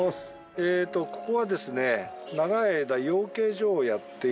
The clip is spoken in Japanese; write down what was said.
えーとここはですね。